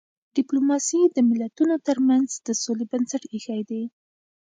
ډيپلوماسي د ملتونو ترمنځ د سولې بنسټ ایښی دی.